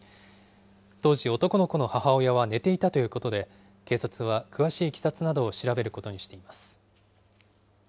当時、男の子の母親は寝ていたということで、警察は詳しいいきさつなどを調べることにしています。